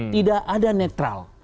tidak ada netral